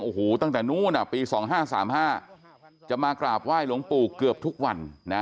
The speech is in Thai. โอ้โหตั้งแต่นู้นปี๒๕๓๕จะมากราบไหว้หลวงปู่เกือบทุกวันนะ